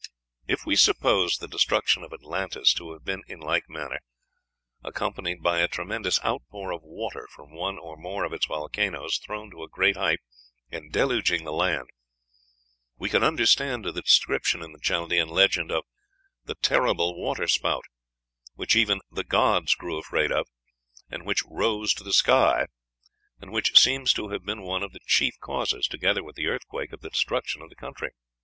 If we suppose the destruction of Atlantis to have been, in like manner, accompanied by a tremendous outpour of water from one or more of its volcanoes, thrown to a great height, and deluging the land, we can understand the description in the Chaldean legend of "the terrible water spout," which even "the gods grew afraid of," and which "rose to the sky," and which seems to have been one of the chief causes, together with the earthquake, of the destruction of the country.